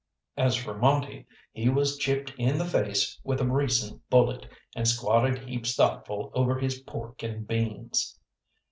As for Monte, he was chipped in the face with a recent bullet, and squatted heaps thoughtful over his pork and beans.